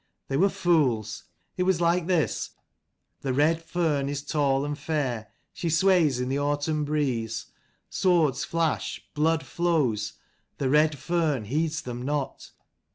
They were fools. It was like this: The red fern is tall and fair. She sways in the autumn breeze. Swords flash: blood flows. The red fern heeds them not.